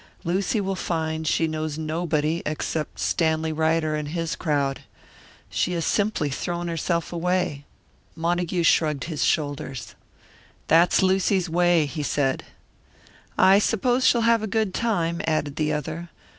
Lucy will find she knows nobody except Stanley Ryder and his crowd. She has simply thrown herself away." Montague shrugged his shoulders. "That's Lucy's way," he said. "I suppose she'll have a good time," added the other.